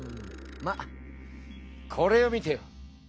まあこれを見てよ。